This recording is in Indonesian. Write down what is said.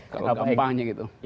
kalau gampangnya gitu